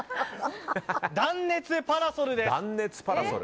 断熱パラソルです。